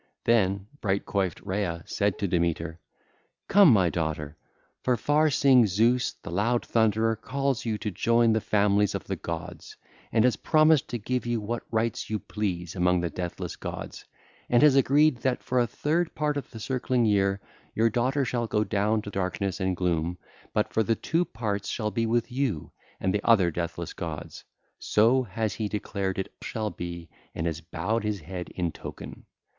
Then bright coiffed Rhea said to Demeter: (ll. 460 469) 'Come, my daughter; for far seeing Zeus the loud thunderer calls you to join the families of the gods, and has promised to give you what rights you please among the deathless gods, and has agreed that for a third part of the circling year your daughter shall go down to darkness and gloom, but for the two parts shall be with you and the other deathless gods: so has he declared it shall be and has bowed his head in token.